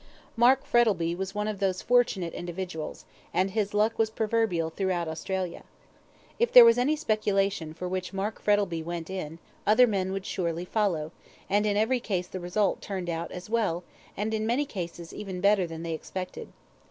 Mark Frettlby was one of these fortunate individuals, and his luck was proverbial throughout Australia. If there was any speculation for which Mark Frettlby went in, other men would surely follow, and in every case the result turned out as well, and in many cases even better than they expected.